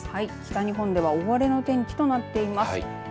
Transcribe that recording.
北日本では大荒れの天気となっています。